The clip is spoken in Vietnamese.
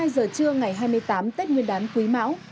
một mươi hai giờ trưa ngày hai mươi tám tết nguyên đán quý mão